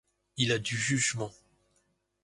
Il a du jugement.